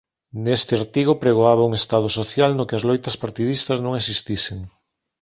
Neste artigo pregoaba un estado social no que as loitas partidistas non existisen.